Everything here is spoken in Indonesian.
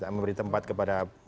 memberi tempat kepada